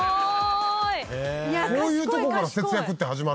こういうとこから節約って始まるの？